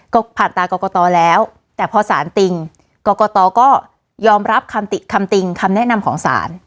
ก็ผ่านตากรกตแล้วแต่พอสารติ่งกรกตก็ยอมรับคำติคำติงคำแนะนำของศาล